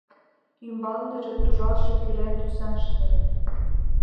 Ӱмбалныже — туржалтше кӱрен тӱсан шинель.